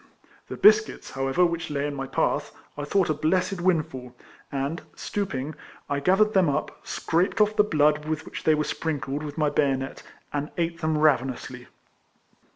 The biscuits, however, which lay in my path, I thought a blessed windfall, and, stooping, I gathered them up, scraped off the blood with which they were sprinkled with my bayonet, and ate them ravenously.